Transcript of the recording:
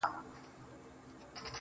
زنگنونه مې جوړه، زه پکې قات یم